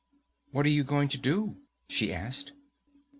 'What are you going to do?' she asked.